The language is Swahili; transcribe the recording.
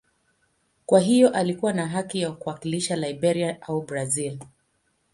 Kwa hiyo alikuwa na haki ya kuwakilisha Liberia au Brazil.